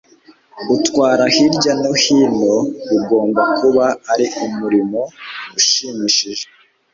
Utwara hirya no hino Bigomba kuba ari umurimo ushimishije